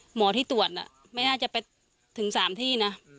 หมอที่ตรวจไม่น่าจะไปถึง๓ที่นะ